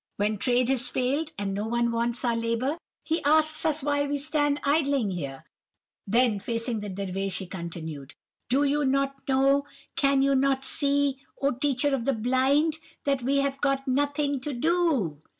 When trade has failed, and no one wants our labour, he asks us why we stand idling here!' Then, facing the Dervish, he continued, 'Do you not know, can you not see, oh teacher of the blind, that we have got nothing to do?